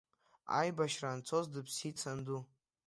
Аибашьра анцоз дыԥсит санду.